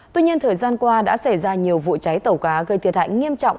tuy nhiên thời gian qua đã xảy ra nhiều vụ cháy tàu cá gây thiệt hại nghiêm trọng